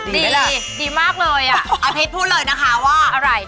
ดีดีมากเลยอ่ะอาทิตย์พูดเลยนะคะว่าอะไร